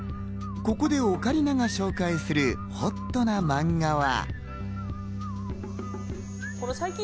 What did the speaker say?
ここでオカリナが紹介するほっとなマンガは。